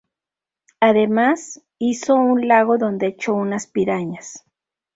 Además, hizo un lago donde echó unas pirañas.